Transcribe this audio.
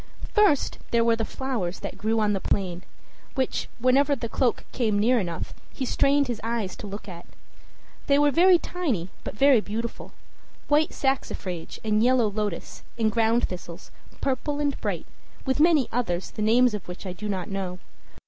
First, there were the flowers that grew on the plain, which, whenever the cloak came near enough, he strained his eyes to look at; they were very tiny, but very beautiful white saxifrage, and yellow lotus, and ground thistles, purple and bright, with many others the names of which I do not know.